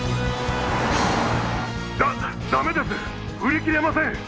ダダメです振り切れません！